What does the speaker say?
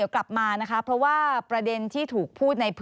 ครับผมสวัสดีค่ะ